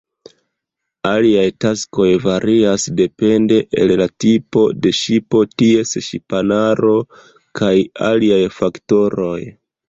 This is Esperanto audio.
Aliaj taskoj varias depende el la tipo de ŝipo, ties ŝipanaro, kaj aliaj faktoroj.